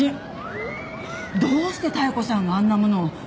どうして妙子さんがあんな物を？